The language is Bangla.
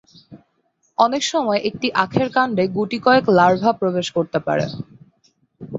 অনেক সময় একটি আখের কান্ডে গুটি কয়েক লার্ভা প্রবেশ করতে পারে।